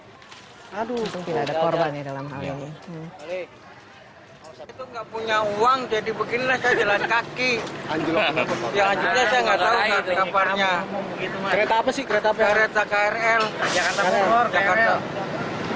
krl jakarta pusat krl